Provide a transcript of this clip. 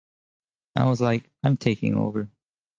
I was like, 'I'm taking over.